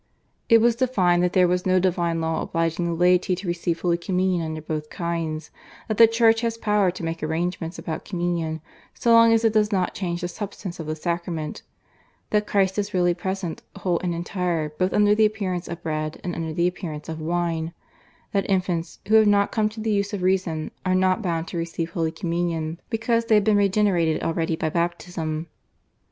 It was defined that there was no divine law obliging the laity to receive Holy Communion under both kinds, that the Church has power to make arrangements about Communion so long as it does not change the substance of the sacrament, that Christ is really present whole and entire both under the appearance of bread and under the appearance of wine, that infants, who have not come to the use of reason, are not bound to receive Holy Communion because they have been regenerated already by baptism.